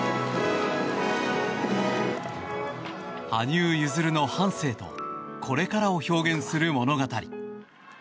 羽生結弦の半生とこれからを表現する物語。